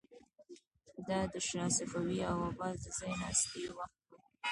دا د شاه صفوي او عباس د ځای ناستي وخت و.